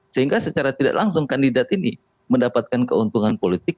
sehingga secara tidak langsung kandidat ini mendapatkan keuntungan politik